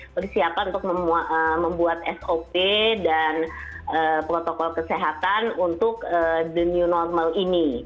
persiapan untuk membuat sop dan protokol kesehatan untuk the new normal ini